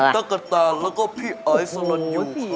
พี่ตะกะตาแล้วก็พี่อายสนุนอยู่ครับ